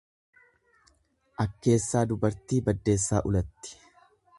Akkeessaa dubartii baddeessaa ulatti.